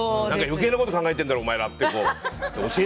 余計なこと考えてるだろお前らって。